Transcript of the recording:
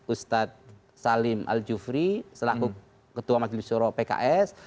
ustadz salim al jufri selaku ketua majlis surah pks